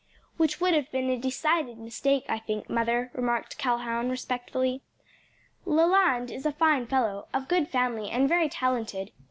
"Which would have been a decided mistake, I think, mother," remarked Calhoun, respectfully. "Leland is a fine fellow, of good family, and very talented.